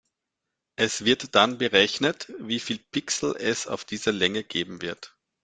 Es wird dann berechnet, wie viele Pixel es auf dieser Länge geben wird.